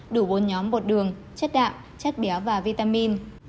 đủ bốn nhóm bột đường chất đạm chất béo và vitamin